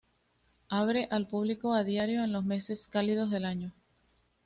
Abre al público a diario en los meses cálidos del año.